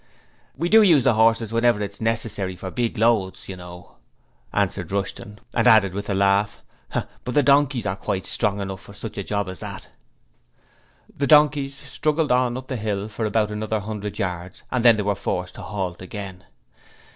'We do use the horses whenever it's necessary for very big loads, you know,' answered Rushton, and added with a laugh: 'But the donkeys are quite strong enough for such a job as that.' The 'donkeys' struggled on up the hill for about another hundred yards and then they were forced to halt again.